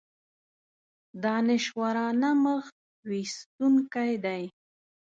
دانشورانه مخ ویستونکی دی.